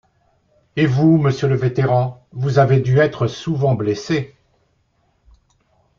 Et vous, monsieur le vétéran, vous avez dû être souvent blessé?